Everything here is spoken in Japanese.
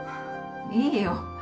いいよ。